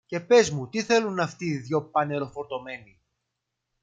και πες μου τι θέλουν αυτοί οι δυο πανεροφορτωμένοι.